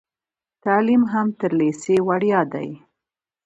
تعلیم هم تر لیسې وړیا دی.